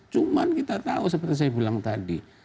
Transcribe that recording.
cuman kita tahu seperti saya bilang tadi